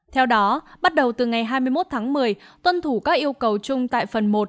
theo đó bắt đầu từ ngày hai mươi một tháng một mươi tuân thủ các yêu cầu chung tại phần một